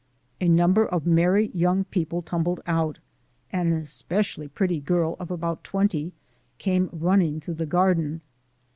A number of merry young people tumbled out, and an especially pretty girl of about twenty came running through the garden.